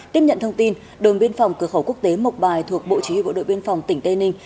tiếp nhận thông tin đồn biên phòng cửa khẩu quốc tế mộc bài thuộc bộ chỉ huy bộ đội biên phòng tỉnh tây ninh